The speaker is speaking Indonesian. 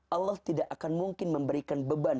allah tidak akan mungkin memberikan beban